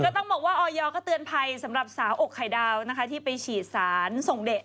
ต้องบอกว่าออยก็เตือนภัยสำหรับสาวอกไข่ดาวนะคะที่ไปฉีดสารส่งเด็ก